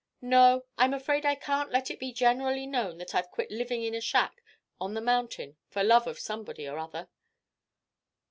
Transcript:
No, I'm afraid I can't let it be generally known that I've quit living in a shack on the mountain for love of somebody or other."